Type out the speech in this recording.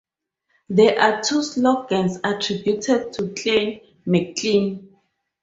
There are two slogans attributed to Clan Maclean.